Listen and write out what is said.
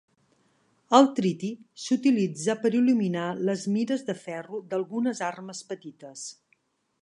El triti s'utilitza per il·luminar les mires de ferro d'algunes armes petites.